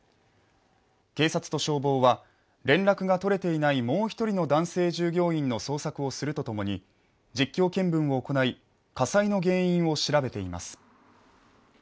警察と消防は、連絡が取れていないもう一人の男性従業員の捜索をするとともに、実況見分を行い、火災の原因を調べています。